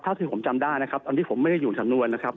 ที่ผมจำได้นะครับอันนี้ผมไม่ได้อยู่สำนวนนะครับ